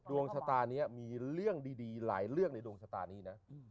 ดวงชะตานี้มีเรื่องดีหลายเรื่องในดวงชะตานี้นะ